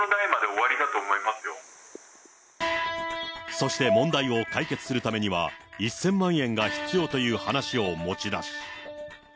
そして問題を解決するためには、１０００万円が必要という話を持ち出し。